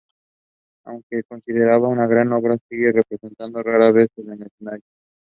The icon was painted by an unknown artist most likely in Constantinople.